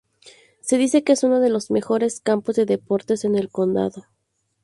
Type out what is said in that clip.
Se dice que es uno de los mejores campos de deportes en el condado.